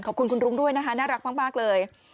ขอบคุณคุณรุ้งด้วยนะคะน่ารักมากเลย